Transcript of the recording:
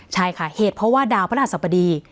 ใช่ค่ะเหตุเพราะว่าดาวพระราชสัปดี